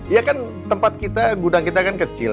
ya kan tempat kita gudang kita kan kecil